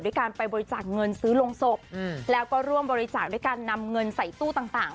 การไปบริจาคเงินซื้อลงศพแล้วก็ร่วมบริจาคด้วยการนำเงินใส่ตู้ต่าง